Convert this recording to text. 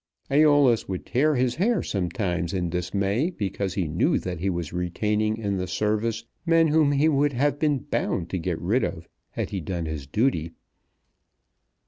Æolus would tear his hair sometimes in dismay because he knew that he was retaining in the service men whom he would have been bound to get rid of had he done his duty.